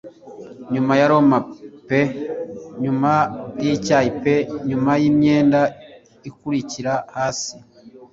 Nyuma ya roman pe nyuma yicyayi pe nyuma yimyenda ikurikira hasi -